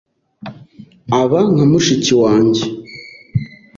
aba nka mushiki wanjye